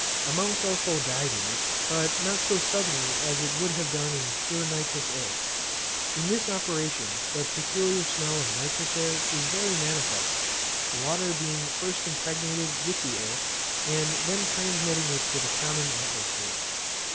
A mouse also died in it, but not so suddenly as it would have done in pure nitrous air. In this operation the peculiar smell of nitrous air is very manifest, the water being first impregnated with the air, and then transmitting it to the common atmosphere.